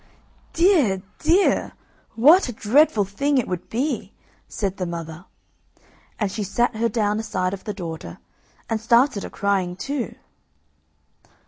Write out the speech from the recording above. "Dear, dear! what a dreadful thing it would be!" said the mother, and she sat her down aside of the daughter and started a crying too.